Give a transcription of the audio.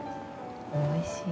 おいしい。